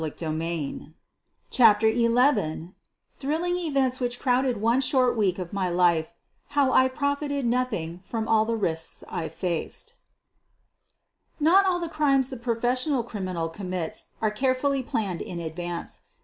238 SOPHIE LYONS CHAPTER XI THRILLING EVENTS WHICH CROWDED ONE SHORT WEEK OF MY LIFE HOW I PROFITED NOTHING FROM ALL THE RISKS I FACED Not all the crimes the professional criminal com mits are carefully planned in advance.